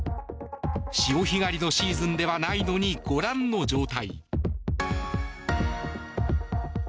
潮干狩りのシーズンではないのにご覧の状態。